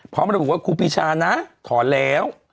เพราะมันบอกว่าครูปีชาน้ะถอนแล้ว